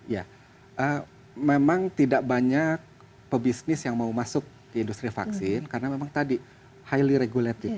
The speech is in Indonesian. ya memang tidak banyak pebisnis yang mau masuk di industri vaksin karena memang tadi highly regulated